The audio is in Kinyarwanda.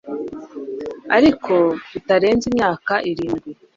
ariko kitarenze imyaka irindwi